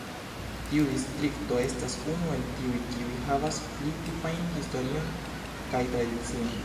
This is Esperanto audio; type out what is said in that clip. Tiu distrikto estas unu el tiuj kiuj havas pli tipajn historion kaj tradicion.